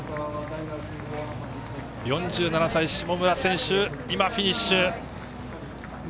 ４７歳、下村選手フィニッシュ。